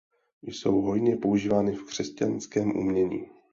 Jsou hojně používány v křesťanském umění.